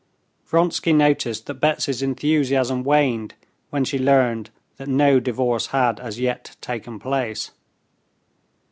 Vronsky noticed that Betsy's enthusiasm waned when she learned that no divorce had as yet taken place.